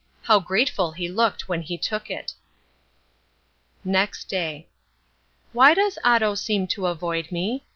How grateful he looked when he took it. Next Day. Why does Otto seem to avoid me?